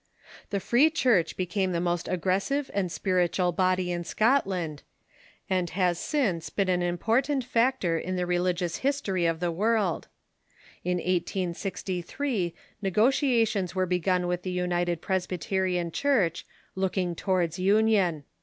The Free Church became the most aggressive and spiritual body in Scotland, and has since been an important factor in the religious history of the world. In 1863 negotiations were begun with the United Presbyterian Church, looking towards union.